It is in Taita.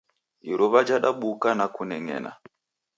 Iruwa jadabuka na kuneng'ena